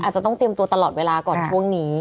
อาจจะต้องเตรียมตัวตลอดเวลาก่อนช่วงนี้